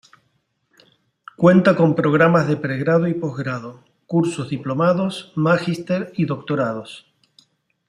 Cuenta con programas de pregrado y postgrado; cursos, diplomados, magíster y doctorados.